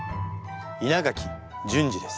稲垣淳二です。